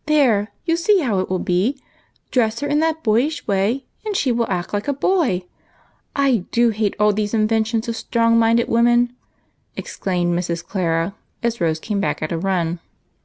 " There ! you see how it will be ; dress her in that boyish way and she will act like a boy. I do hate all these inventions of strong minded women !" exclaimed Mrs. Clara, as Rose came back at a run.